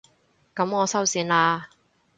噉我收線喇